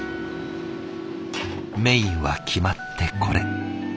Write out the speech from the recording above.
メインは決まってこれ。